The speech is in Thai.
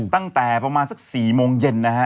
ตั้งแต่ประมาณสัก๔โมงเย็นนะฮะ